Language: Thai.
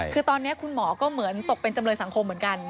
คือตอนนี้คุณหมอก็เหมือนตกเป็นจำเลยสังคมเหมือนกัน